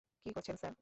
কী করছেন, স্যার?